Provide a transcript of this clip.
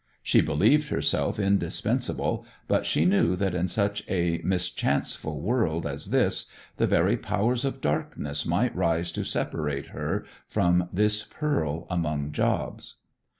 She believed herself indispensable, but she knew that in such a mischanceful world as this the very powers of darkness might rise to separate her from this pearl among jobs.